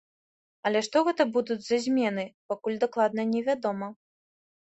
Але што гэта будуць за змены, пакуль дакладна невядома.